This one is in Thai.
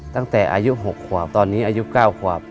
ตั้งแต่อายุ๖ขวบตอนนี้อายุ๙ขวบ